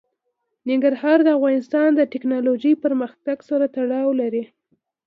ننګرهار د افغانستان د تکنالوژۍ پرمختګ سره تړاو لري.